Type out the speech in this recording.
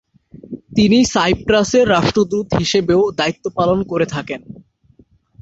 তিনি সাইপ্রাসের রাষ্ট্রদূত হিসেবেও দায়িত্ব পালন করে থাকেন।